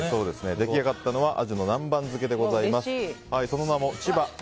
出来上がったのはアジの南蛮漬けです。